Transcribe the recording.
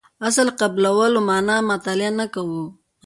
اصل قبلولو معنا مطالعه نه کوو.